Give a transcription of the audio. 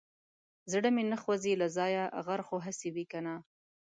زړه مې نه خوځي له ځايه غر خو هسي وي که نه.